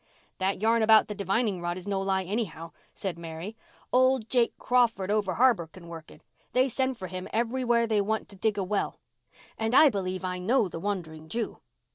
"That yarn about the divining rod is no lie, anyhow," said Mary. "Old Jake Crawford over harbour can work it. They send for him from everywhere when they want to dig a well. And I believe I know the Wandering Jew."